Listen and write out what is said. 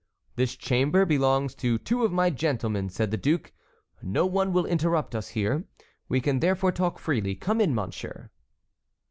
"This chamber belongs to two of my gentlemen," said the duke. "No one will interrupt us here. We can, therefore, talk freely. Come in, monsieur."